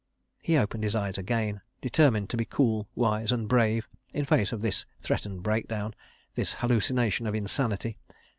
He opened his eyes again, determined to be cool, wise and brave, in face of this threatened breakdown, this hallucination of insanity.